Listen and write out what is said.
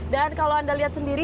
dan kalau anda lihat sendiri